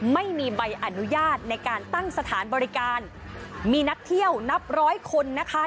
ไม่มีใบอนุญาตในการตั้งสถานบริการมีนักเที่ยวนับร้อยคนนะคะ